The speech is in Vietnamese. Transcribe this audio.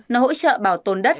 nó hỗ trợ bảo tồn đất